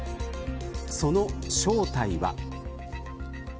その正体は。